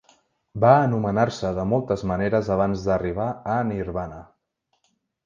Van anomenar-se de moltes maneres abans d’arribar a Nirvana.